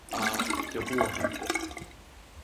Всё плохо